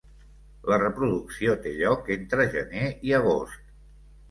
La reproducció té lloc entre gener i agost.